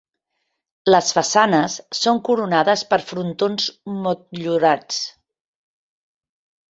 Les façanes són coronades per frontons motllurats.